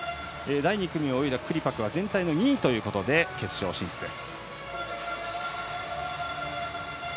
第２組を泳いだクリパクは全体２位ということで決勝進出です。